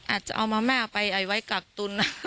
อาจจะเอาแม่งไปไอ้ไว้กากตุน